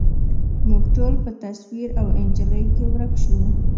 موږ ټول په تصویر او انجلۍ کي ورک شوو